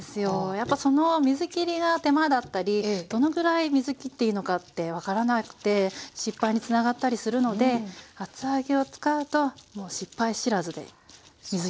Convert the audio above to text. やっぱその水きりが手間だったりどのぐらい水きっていいのかって分からなくて失敗につながったりするので厚揚げを使うともう失敗知らずで水きりもなし。